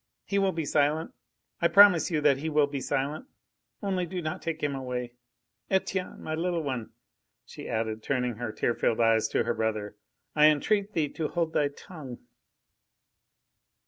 He will be silent.... I promise you that he will be silent ... only do not take him away! Etienne, my little one!" she added, turning her tear filled eyes to her brother, "I entreat thee to hold thy tongue!"